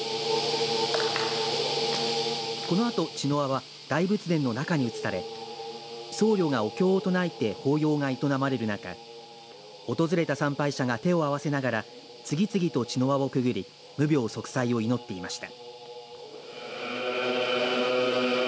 このあと茅の輪は大仏殿の中に移され僧侶がお経を唱えて法要が営まれる中訪れた参拝者が手を合わせながら次々と茅の輪をくぐり無病息災を祈っていました。